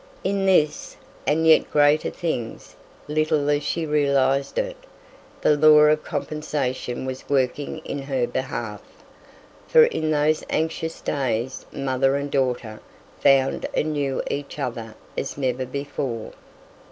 In this, and in yet greater things, little as she realized it, the law of compensation was working in her behalf, for in those anxious days mother and daughter found and knew each other as never before.